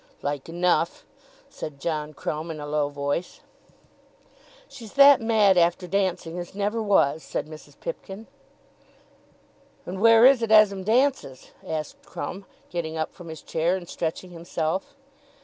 "Like enough," said John Crumb in a low voice. "She's that mad after dancing as never was," said Mrs. Pipkin. "And where is it as 'em dances?" asked Crumb, getting up from his chair, and stretching himself.